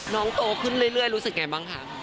โตขึ้นเรื่อยรู้สึกไงบ้างคะ